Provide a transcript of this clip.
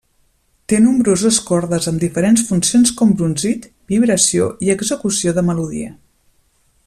Té nombroses cordes amb diferents funcions com brunzit, vibració i execució de melodia.